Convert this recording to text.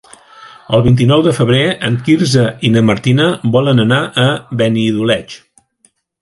El vint-i-nou de febrer en Quirze i na Martina volen anar a Benidoleig.